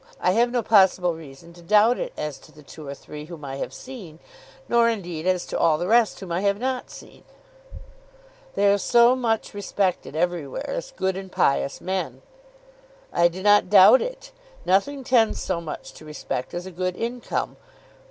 I have no possible reason to doubt it as to the two or three whom I have seen, nor indeed as to all the rest whom I have not seen." "They are so much respected everywhere as good and pious men!" "I do not doubt it. Nothing tends so much to respect as a good income.